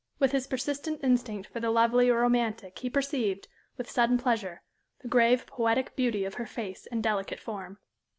With his persistent instinct for the lovely or romantic he perceived, with sudden pleasure, the grave, poetic beauty of her face and delicate form.